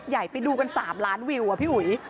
กันยกใหญ่ไปดูกัน๓ล้านวิวอ่ะพี่หุย